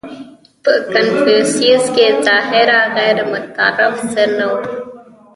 • په کنفوسیوس کې ظاهراً غیرمتعارف څه نهو.